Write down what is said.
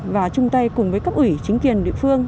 và chung tay cùng với các ủy chính kiền địa phương